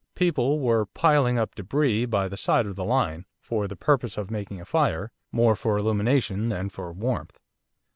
People were piling up débris by the side of the line, for the purpose of making a fire, more for illumination than for warmth.